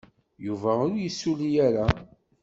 Yuba ur yessulli ara.